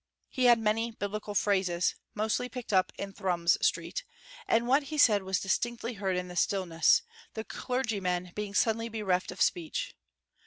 He had many Biblical phrases, mostly picked up in Thrums Street, and what he said was distinctly heard in the stillness, the clergyman being suddenly bereft of speech.